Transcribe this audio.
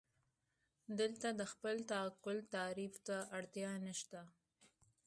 دلته د خپل تعقل تعریف ته اړتیا نشته.